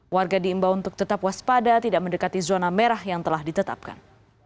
warga diimbau untuk tetap waspada tidak mendekati zona merah yang telah ditetapkan